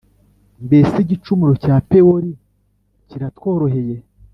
Mbese igicumuro cya Pewori kiratworoheye